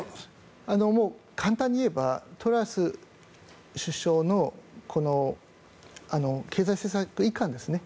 簡単に言えばトラス首相の経済政策いかんですね。